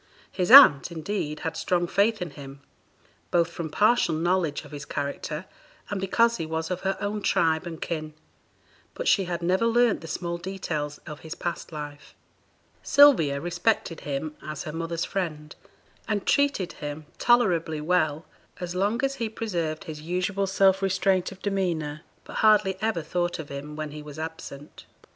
His aunt, indeed, had strong faith in him, both from partial knowledge of his character, and because he was of her own tribe and kin; but she had never learnt the small details of his past life. Sylvia respected him as her mother's friend, and treated him tolerably well as long as he preserved his usual self restraint of demeanour, but hardly ever thought of him when he was absent.